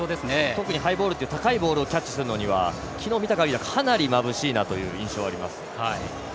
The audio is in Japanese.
特にハイボールっていう高いボールをキャッチするには昨日見た限り、かなりまぶしい印象はあります。